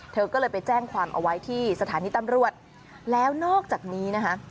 เธอก็เลยไปแจ้งความเอาไว้ที่สถานีตำรวจแล้วนอกจากนี้นะคะ